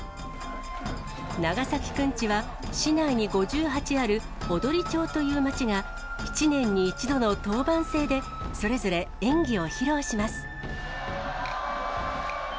長崎くんちは、市内に５８ある踊町という町が、７年に１度の当番制でそれぞれ演技を披露します。